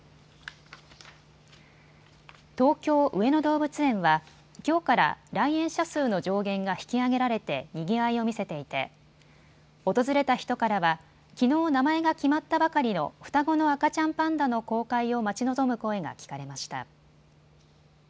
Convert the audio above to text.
東京上野動物園はきょうから来園者数の上限が引き上げられて、にぎわいを見せていて訪れた人からはきのう名前が決まったばかりの双子の赤ちゃんパンダの公開を待ち望む声が聞かれました。